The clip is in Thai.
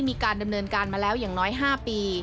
มีการดำเนินการมาแล้วอย่างน้อย๕ปี